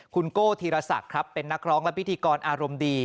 คุณโก้ธีรศักดิ์ครับเป็นนักร้องและพิธีกรอารมณ์ดี